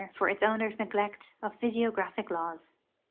for its owner's neglect of physiogra[>hic laws.